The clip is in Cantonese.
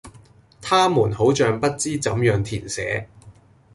她們好像不知怎樣填寫